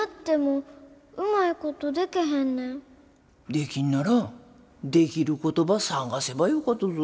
できんならできることば探せばよかとぞ。